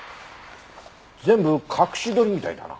全部隠し撮りみたいだな。